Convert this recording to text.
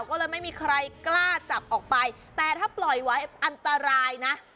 ก็เลยไม่มีใครกล้าจับออกไปแต่ถ้าปล่อยไว้อันตรายนะ